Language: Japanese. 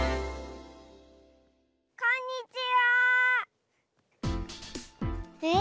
こんにちは！え？